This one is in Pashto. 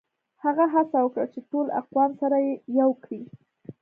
هغه هڅه وکړه چي ټول اقوام سره يو کړي.